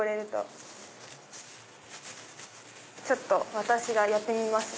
私がやってみますね。